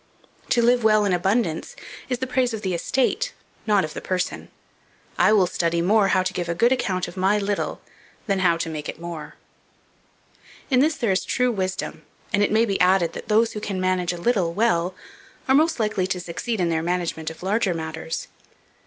To live well in abundance is the praise of the estate, not of the person. I will study more how to give a good account of my little, than how to make it more." In this there is true wisdom, and it may be added, that those who can manage a little well, are most likely to succeed in their management of larger matters.